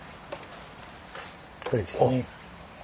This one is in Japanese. これですね。